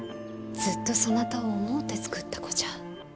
ずっとそなたを思うて作った子じゃ。